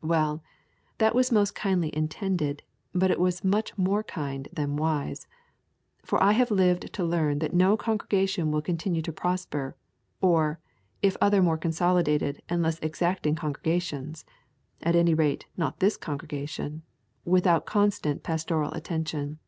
Well, that was most kindly intended; but it was much more kind than wise. For I have lived to learn that no congregation will continue to prosper, or, if other more consolidated and less exacting congregations, at any rate not this congregation, without constant pastoral attention.